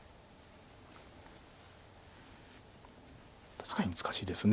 確かに難しいです。